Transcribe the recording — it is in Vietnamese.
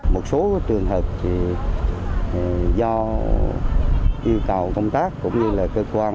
một số trường hợp do yêu cầu công tác cũng như là cơ quan